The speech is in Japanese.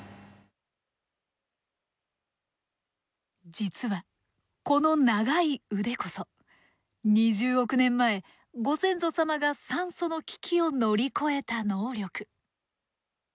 実はこの長い腕こそ２０億年前ご先祖様が酸素の危機を乗り越えた能力。